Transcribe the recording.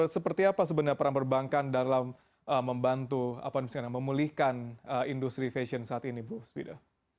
seperti apa sebenarnya peran perbankan dalam membantu memulihkan industri fashion saat ini bu svida